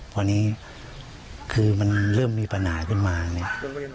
พอนี้คือมันเริ่มมีปัญหาขึ้นมาไง